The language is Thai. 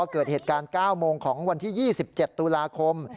เกิดเหตุการณ์๙โมงของวันที่๒๗ตุลาคม